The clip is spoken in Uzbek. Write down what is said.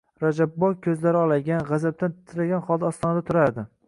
Rajabboy koʼzlari olaygan, gʼazabdan titragan holda ostonada turardi.